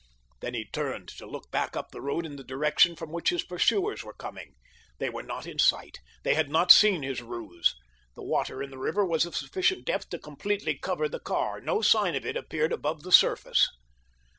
Then he turned to look back up the road in the direction from which his pursuers were coming. They were not in sight—they had not seen his ruse. The water in the river was of sufficient depth to completely cover the car—no sign of it appeared above the surface.